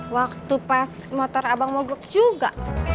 waktu pas motor abang mogok juga